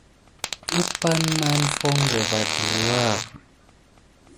Umpay ne mā foŋko va ɗurwa.